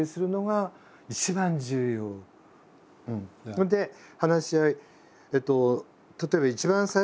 それで話し合い。